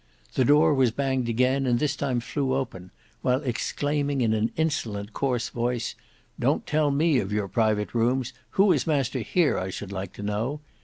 The door was banged again and this time flew open, while exclaiming in an insolent coarse voice, "Don't tell me of your private rooms; who is master here I should like to know?"